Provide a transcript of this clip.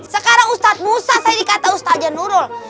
sekarang ustaz musa saya dikata ustaz janurul